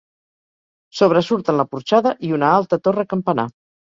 Sobresurten la porxada i una alta torre-campanar.